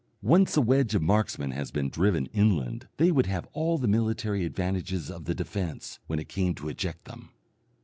Once a wedge of marksmen has been driven inland they would have all the military advantages of the defence when it came to eject them.